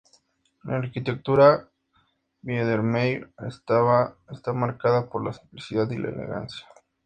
La arquitectura "Biedermeier" está marcada por la simplicidad y la elegancia.